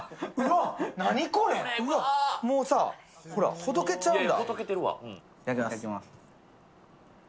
もうさ、ほどけちゃうんだ。